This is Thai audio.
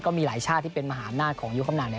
ก็มีหลายชาติที่เป็นมหานาธิ์ของยุคำนาญ